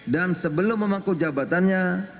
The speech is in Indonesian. dan sebelum memaku jabatannya